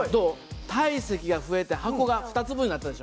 体積が増えて箱が２つ分になったでしょ。